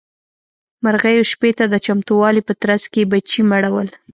مرغيو شپې ته د چمتووالي په ترڅ کې بچي مړول.